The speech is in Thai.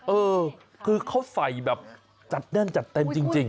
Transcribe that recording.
เออคือเขาใส่แบบจัดแน่นจัดเต็มจริง